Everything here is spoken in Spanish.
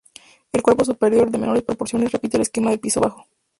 El cuerpo superior, de menores proporciones, repite el esquema del piso bajo.